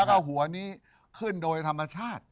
แล้วก็หัวนี้ขึ้นโดยธรรมชาติ